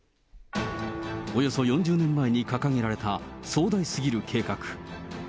およそ４０年前に掲げられた、壮大すぎる計画。